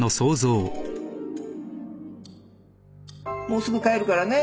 もうすぐ帰るからね。